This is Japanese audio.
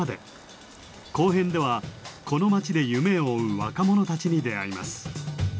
後編ではこの町で夢を追う若者たちに出会います。